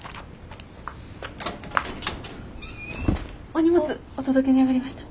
お荷物お届けに上がりました。